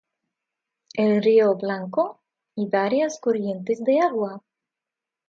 El río Blanco y varias corrientes de agua.